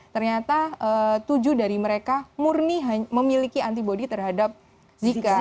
ternyata tujuh dari mereka murni memiliki antibody terhadap zika